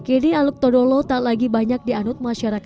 apakah agama ini hanya masalah jejak